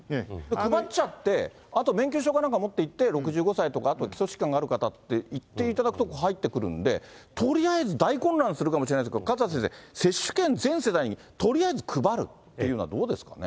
配っちゃって、あと免許証かなんか持っていって、６５歳とか、あと基礎疾患がある方とか、言っていただくと入ってくるんで、とりあえず大混乱するかもしれないですけど勝田先生、接種券全世代にとりあえず配るっていうのは、どうですかね。